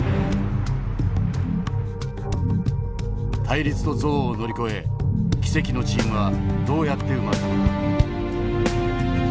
対立と憎悪を乗り越え奇跡のチームはどうやって生まれたのか。